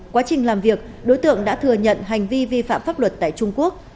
quá trình làm việc đối tượng đã thừa nhận hành vi vi phạm pháp luật tại trung quốc